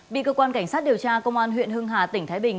bị cơ quan cảnh sát điều tra công an huyện hưng hà tỉnh thái bình